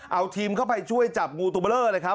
เอาทีมเข้าไปช่วยจับงูตัวเบลอเลยครับ